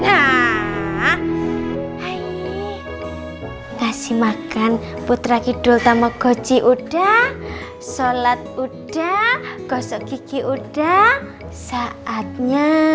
nah hai hai hai kasih makan putra kidul tamagotchi udah sholat udah gosok gigi udah saatnya